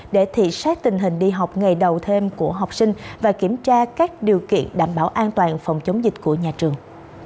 để thị xác tình hình đi học ngày đầu thêm của học sinh và kiểm tra các điều kiện đảm bảo an toàn phòng chống dịch của nhà trường